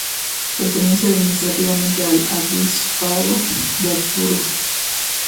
Pertenece administrativamente al Obispado de Augsburgo.